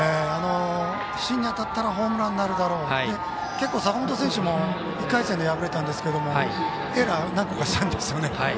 芯に当たったらホームランになるだろうで結構、坂本選手も１回戦で敗れたんですがエラー何個かしたんですよね。